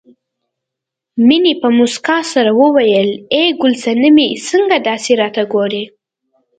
مينې په مسکا سره وویل ای ګل سنمې څنګه داسې راته ګورې